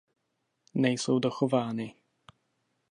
Nejsou dochovány.